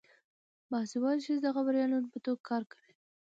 باسواده ښځې د خبریالانو په توګه کار کوي.